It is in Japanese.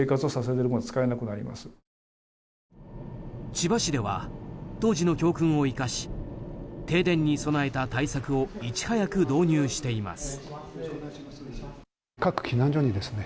千葉市では当時の教訓を生かし停電に備えた対策をいち早く導入しています。